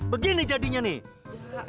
begini jadinya nih